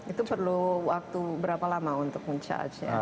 itu perlu waktu berapa lama untuk mencaharenya